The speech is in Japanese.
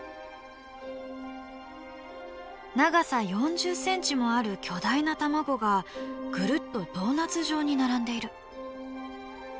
長さ４０センチもある巨大な卵がぐるっとドーナツ状に並んでいる。